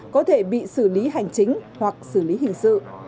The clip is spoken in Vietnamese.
có thể bị xử lý hành chính hoặc xử lý hình sự